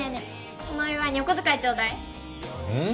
そのお祝いにお小遣いちょうだいうん？